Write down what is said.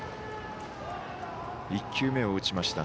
１球目を打ちました。